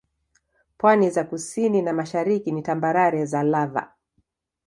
Pwani za kusini na mashariki ni tambarare za lava.